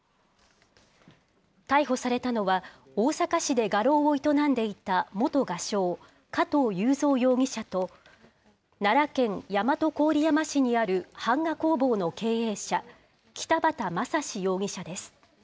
逮捕されたのは、大阪市で画廊を営んでいた元画商、加藤雄三容疑者と、奈良県大和郡山市にある版画工房の経営者、北畑雅史容疑者です。